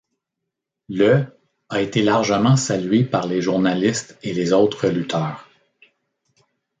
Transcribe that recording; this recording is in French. Le a été largement salué par les journalistes et les autres lutteurs.